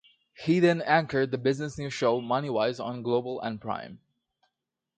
He then anchored the business news show "MoneyWise" on Global and Prime.